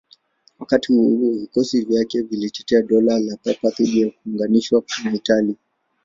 Wakati huo huo, vikosi vyake vilitetea Dola la Papa dhidi ya kuunganishwa na Italia.